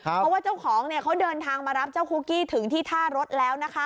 เพราะว่าเจ้าของเขาเดินทางมารับเจ้าคุกกี้ถึงที่ท่ารถแล้วนะคะ